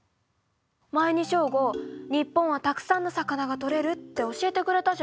前にショーゴ「日本はたくさんの魚がとれる」って教えてくれたじゃない。